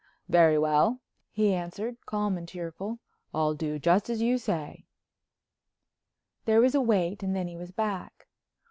"Very well," he answered, calm and cheerful, "I'll do just as you say." There was a wait and then he was back.